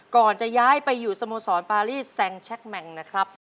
ก่อนจะย้ายไปอยู่สโมสรปารีสแซงแชคแมงนะครับ